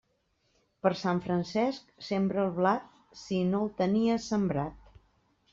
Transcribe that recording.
Per Sant Francesc sembra el blat, si no el tenies sembrat.